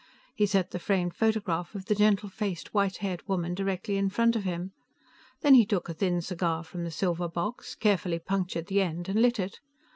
He set the framed photograph of the gentle faced, white haired woman directly in front of him. Then he took a thin cigar from the silver box, carefully punctured the end and lit it.